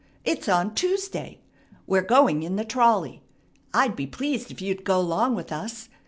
It's on Tuesday. We're going in the trolley. I'd be pleased if you would go 'long with us.